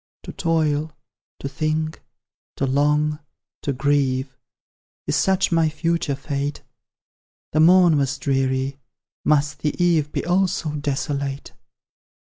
To toil, to think, to long, to grieve, Is such my future fate? The morn was dreary, must the eve Be also desolate?